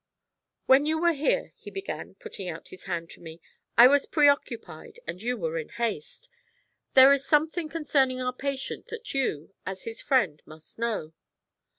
'When you were here,' he began, putting out his hand to me, 'I was preoccupied and you were in haste. There is something concerning our patient that you, as his friend, must know.